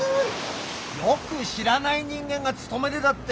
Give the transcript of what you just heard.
よく知らない人間が勤めでだって